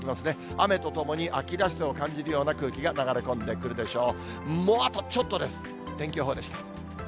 雨とともに秋らしさを感じるような空気が流れ込んでくるでしょう。